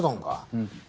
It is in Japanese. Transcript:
うん。